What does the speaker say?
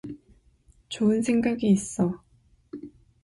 좋은 생각이 있어.